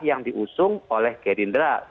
yang diusung oleh gerindra